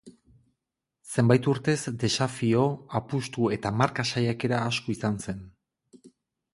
Zenbait urtez desafio, apustu eta marka saiakera asko izan zen.